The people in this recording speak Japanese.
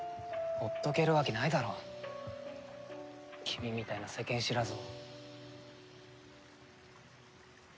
ほっとけるわけないだろ君みたいな世間知らずを。